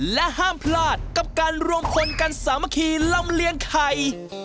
และห้ามพลาดกับการรวมคนกันสามัคคีลำเลียงไข่